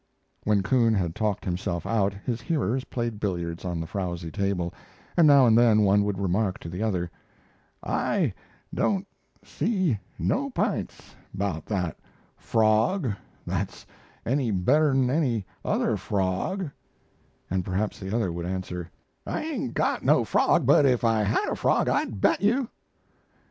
When Coon had talked himself out, his hearers played billiards on the frowsy table, and now and then one would remark to the other: "I don't see no p'ints about that frog that's any better'n any other frog," and perhaps the other would answer: "I ain't got no frog, but if I had a frog I'd bet you."